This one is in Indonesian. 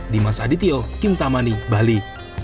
dimas adityo kintamani bali